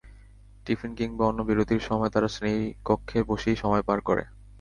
Tiffin কিংবা অন্য বিরতির সময় তারা শ্রেণিকক্ষে বসেই সময় পার করে।